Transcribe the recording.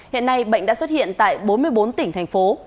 hiện nay bệnh đã xuất hiện tại bốn mươi bốn tỉnh thành phố